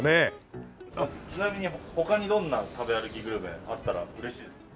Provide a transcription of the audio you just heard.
ちなみに他にどんな食べ歩きグルメあったら嬉しいですか？